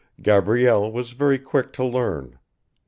Gabrielle was very quick to learn.